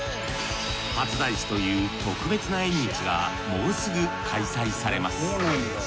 初大師という特別な縁日がもうすぐ開催されます。